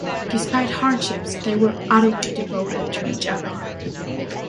Despite hardships, they were utterly devoted to each other.